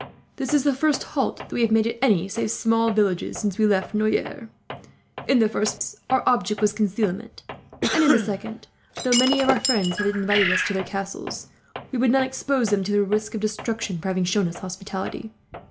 "This is the first halt that we have made, at any save small villages, since we left Noyers. In the first place, our object was concealment; and in the second, though many of our friends have invited us to their castles, we would not expose them to the risk of destruction, for having shown us hospitality.